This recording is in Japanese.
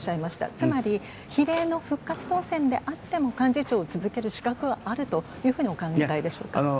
つまり、比例の復活当選であっても、幹事長を続ける資格はあるというふうにお考えでしょうか。